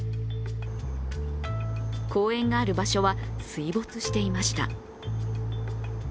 公園がある場所は水没していました。